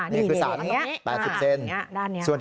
นี่คือสันตรงนี้แปดสิบเซนอย่างนี้อ่าด้านนี้ส่วน